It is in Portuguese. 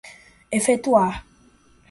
efetuar